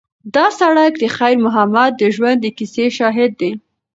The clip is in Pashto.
دا سړک د خیر محمد د ژوند د کیسې شاهد دی.